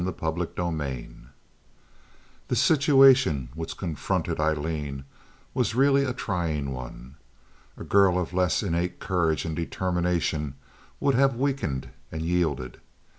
Chapter XXXVIII The situation which confronted Aileen was really a trying one. A girl of less innate courage and determination would have weakened and yielded.